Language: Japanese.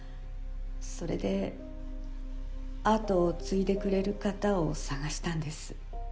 それで後を継いでくれる方を探したんです。